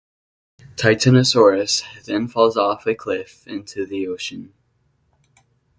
Titanosaurus then falls off a cliff into the ocean.